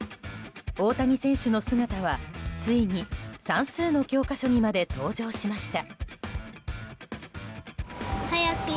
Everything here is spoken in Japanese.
大谷選手の姿はついに算数の教科書にまで登場しました。